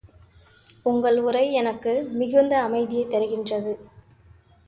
உங்கள் உரை எனக்கு மிகுந்த அமைதியைத் தருகின்றன.